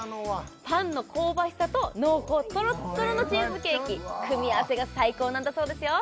パンの香ばしさと濃厚とろっとろのチーズケーキ組み合わせが最高なんだそうですよ